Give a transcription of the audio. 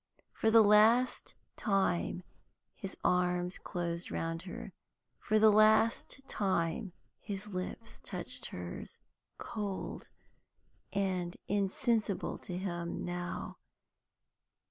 For the last time his arms closed round her. For the last time his lips touched hers cold and insensible to him now.